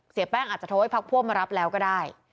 แป้งอาจจะโทรให้พักพวกมารับแล้วก็ได้